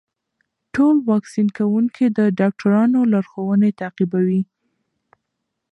ټول واکسین کوونکي د ډاکټرانو لارښوونې تعقیبوي.